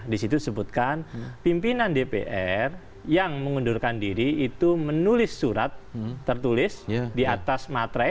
di situ disebutkan pimpinan dpr yang mengundurkan diri itu menulis surat tertulis di atas matre